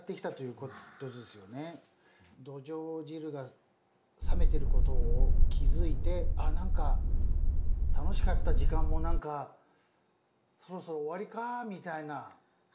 「泥鰌汁」が冷めてることを気付いて「あっ何か楽しかった時間も何かそろそろ終わりか」みたいな。